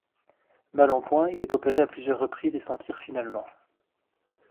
Mal en point, il est opéré à plusieurs reprises et s'en tire finalement.